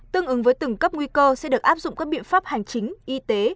tương ứng với từng cấp nguy cơ sẽ được áp dụng các biện pháp hành chính y tế